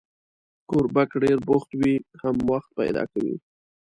کوربه که ډېر بوخت وي، هم وخت پیدا کوي.